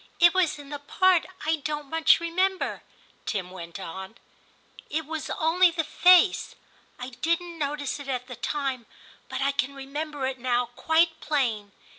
* It was in the part I don't much remember,' Tim went on ;* it was only the face. I didn't notice it at the time, but I can remember it now quite plain.